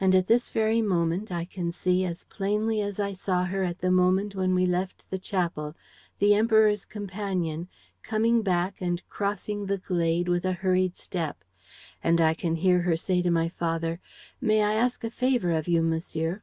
And at this very moment I can see, as plainly as I saw her at the moment when we left the chapel, the Emperor's companion coming back and crossing the glade with a hurried step; and I can hear her say to my father, 'May I ask a favor of you, monsieur?'